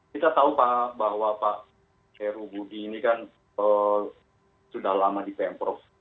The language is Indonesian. kita tahu pak bahwa pak heru budi ini kan sudah lama di pemprov